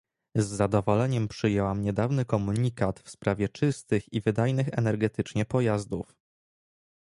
Z zadowoleniem przyjęłam niedawny komunikat w sprawie czystych i wydajnych energetycznie pojazdów